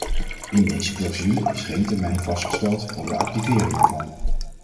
In deze clausule is geen termijn vastgelegd voor de activering ervan.